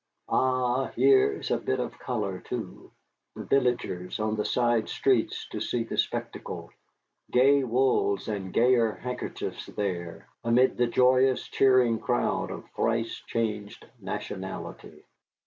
Ah! here is a bit of color, too, the villagers on the side streets to see the spectacle. Gay wools and gayer handkerchiefs there, amid the joyous, cheering crowd of thrice changed nationality.